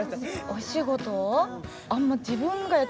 お仕事？